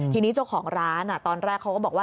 ทีนี้เจ้าของร้านตอนแรกเขาก็บอกว่า